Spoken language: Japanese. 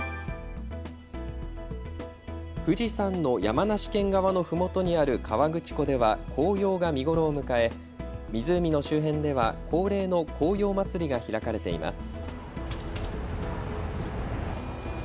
富士山の山梨県側のふもとにある河口湖では紅葉が見頃を迎え湖の周辺では恒例の紅葉まつりが開かれています。